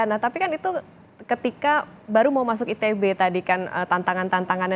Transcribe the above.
nah tapi kan itu ketika baru mau masuk itb tadi kan tantangan tantangannya